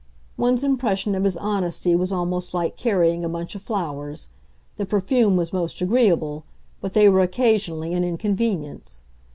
One's impression of his honesty was almost like carrying a bunch of flowers; the perfume was most agreeable, but they were occasionally an inconvenience.